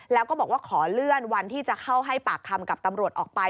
แล้วก็บอกว่าขอเลื่อนวันที่จะเข้าให้ปากคำกับตำรวจออกไป